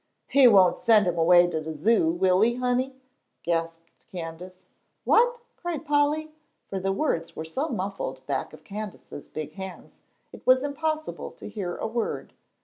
"He won' send him away to de Zoo, will he, honey?" gasped Candace. "What?" cried Polly, for the words were so muffled back of Candace's big hands, it was impossible to hear a word.